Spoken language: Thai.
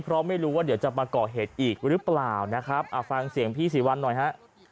เพราะไม่รู้ว่าเดี๋ยวจะมาก่อเหตุอีกหรือเปล่านะครับฟังเสียงพี่ศรีวัลหน่อยฮะ